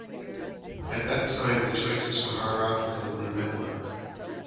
At that time the choices were hierarchical and network.